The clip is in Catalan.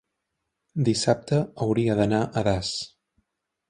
dissabte hauria d'anar a Das.